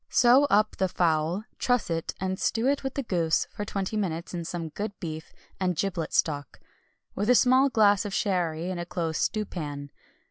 Sew up the fowl, truss it, and stew it with the goose for twenty minutes in some good beef and giblet stock, with a small glass of sherry, in a close stewpan.